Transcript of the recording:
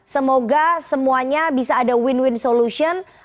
semoga semuanya bisa ada win win solution